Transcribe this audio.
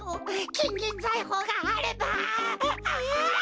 きんぎんざいほうがあればああっ！